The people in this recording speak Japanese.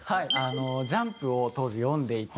『ジャンプ』を当時読んでいて。